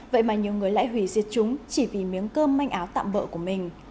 vậy mà nhiều người lại hủy diệt chúng chỉ vì miếng cơm manh áo tạm bỡ của mình